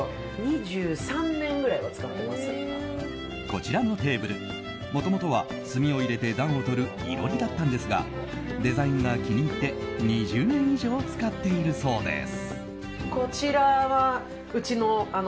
こちらのテーブルもともとは炭を入れて暖をとる囲炉裏だったんですがデザインが気に入って２０年以上使っているそうです。